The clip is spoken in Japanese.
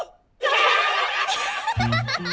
アハハハハ！